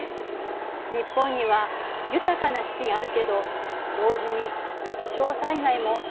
日本には豊かな四季があるけど同時に気象災害もたくさんあるのよね。